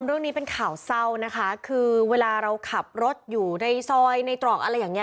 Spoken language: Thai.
เรื่องนี้เป็นข่าวเศร้านะคะคือเวลาเราขับรถอยู่ในซอยในตรอกอะไรอย่างเงี้